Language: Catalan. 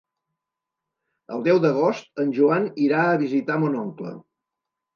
El deu d'agost en Joan irà a visitar mon oncle.